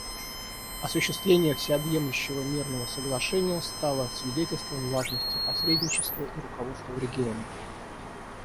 Осуществление Всеобъемлющего мирного соглашения стало свидетельством важности посредничества и руководства в регионе.